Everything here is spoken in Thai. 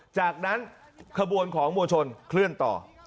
จากนั้นขบวนของมวลชนเคลื่อนต่อ